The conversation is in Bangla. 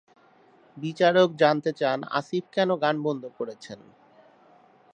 বিচারক জানতে চান, আসিফ কেন গান বন্ধ করেছেন?